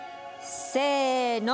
せの！